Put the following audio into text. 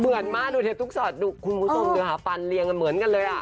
เหมือนมากดูเทปทุกสอดดูคุณผู้ชมดูค่ะฟันเรียงกันเหมือนกันเลยอ่ะ